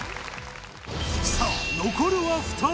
さあ残るは２人。